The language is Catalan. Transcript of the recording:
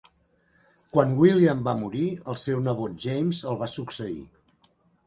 Quan William va morir, el seu nebot James el va succeir.